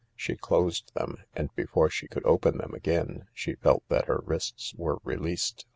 She closed them — and before she could open them again she felt that her wrists were released.